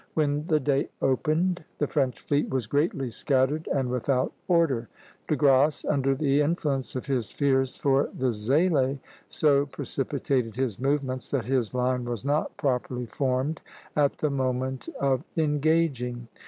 When the day opened, the French fleet was greatly scattered and without order. De Grasse, under the influence of his fears for the "Zélé," so precipitated his movements that his line was not properly formed at the moment of engaging.